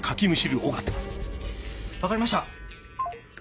分かりました。